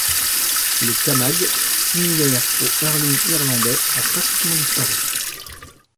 Le cammag, similaire au hurling irlandais, a pratiquement disparu.